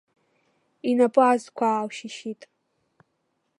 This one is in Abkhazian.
Инапы азқәа аалшьышьит.